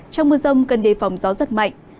trong mưa rông cần đề phòng gió giật mạnh